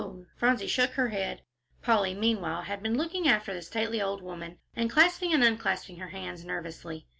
Phronsie shook her head. Polly meanwhile had been looking after the stately old woman, and clasping and unclasping her hands nervously.